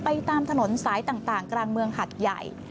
ตามถนนสายต่างกลางเมืองหัดใหญ่